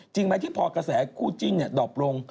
จริงไหมที่พอกระแสคู่จิ้นดอบลง